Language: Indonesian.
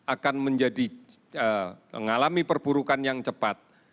akan mengalami perburukan yang cepat